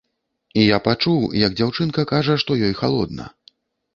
І я пачуў, як дзяўчынка кажа, што ёй халодна.